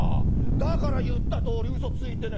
だから言ったとおりうそついてねえ。